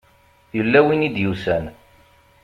Yella win i d-yusan.